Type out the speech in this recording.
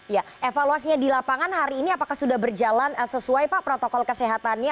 ya evaluasinya di lapangan hari ini apakah sudah berjalan sesuai pak protokol kesehatannya